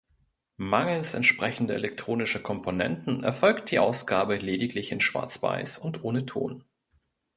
Mangels entsprechender elektronischer Komponenten erfolgt die Ausgabe lediglich in Schwarzweiß und ohne Ton.